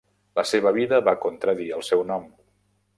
La seva vida va contradir el seu nom.